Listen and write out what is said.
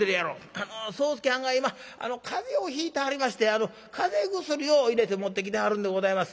「あの宗助はんが今風邪をひいてはりまして風邪薬を入れて持ってきてはるんでございます。